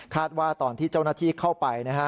คาดว่าตอนที่เจ้าหน้าที่เข้าไป